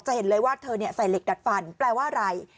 เห็นเลยว่าเธอใส่เหล็กดัดฟันแปลว่าอะไร